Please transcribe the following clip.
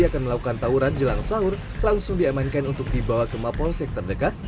akan melakukan tawuran jelang sahur langsung diamankan untuk dibawa ke mapol sektor dekat